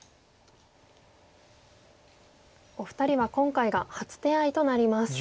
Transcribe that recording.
お二人は今回が初手合となります。